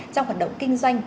trong hoạt động kinh doanh